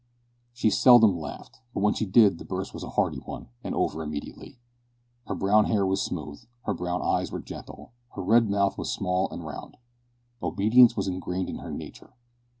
She seldom laughed, but when she did the burst was a hearty one, and over immediately. Her brown hair was smooth, her brown eyes were gentle, her red mouth was small and round. Obedience was ingrained in her nature.